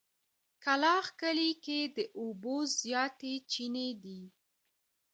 کلاخ کلي کې د اوبو زياتې چينې دي.